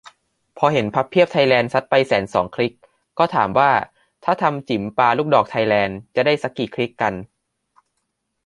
พอเห็น "พับเพียบไทยแลนด์" ซัดไปแสนสองคลิก ก็ถามว่า ถ้าทำ "จิ๋มปาลูกดอกไทยแลนด์" จะได้ซักกี่คลิกกัน ?